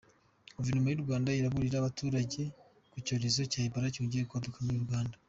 Guverinoma y’u Rwanda iraburira abaturage ku cyorezo cya Ebola cyongeye kwaduka muri Uganda